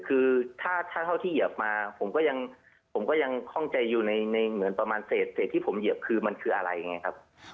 คือถ้าเท่าที่เหยียบมาผมก็ยังผมก็ยังคล่องใจอยู่ในเหมือนประมาณเศษที่ผมเหยียบคือมันคืออะไรไงครับ